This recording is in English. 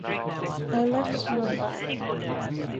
I left Mumbai.